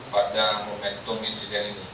pada momentum insiden ini